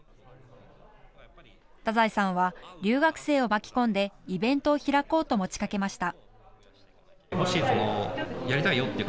太宰さんは留学生を巻き込んでイベントを開こうと持ちかけました。